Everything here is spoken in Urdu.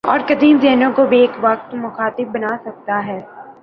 اور قدیم ذہن کو بیک وقت مخاطب بنا سکتا ہے۔